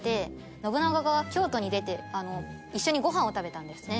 信長が京都に出て一緒にごはんを食べたんですね。